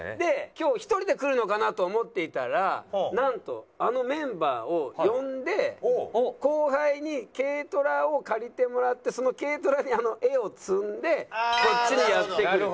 今日１人で来るのかなと思っていたらなんとあのメンバーを呼んで後輩に軽トラを借りてもらってその軽トラにあの画を積んでこっちにやって来る。